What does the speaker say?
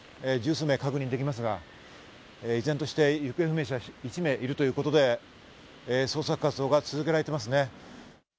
現在あちら、警察官の姿が１０数人確認できますが、依然として行方不明者が１名いるということで、捜索活動が続けられていますね。